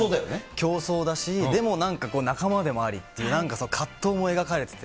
競争だし、でもなんか仲間でもありっていう、なんか葛藤も描かれていて。